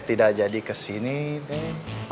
tidak jadi ke sini teh